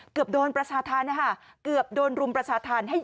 เกือบโดนประชาธรรมนะคะเกือบโดนรุมประชาธรรมให้